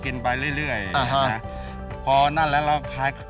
ไปเรื่อยเรื่อยอ่าฮะพอนั่นแล้วเราขาย